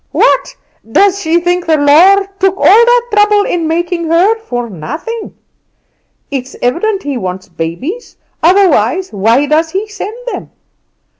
What, does she think the Lord took all that trouble in making her for nothing? It's evident He wants babies, otherwise why does He send them?